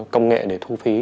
công nghệ để thu phí